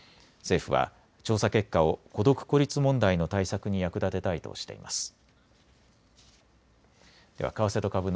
政府は調査結果を孤独・孤立問題の対策に役立てたいとしています。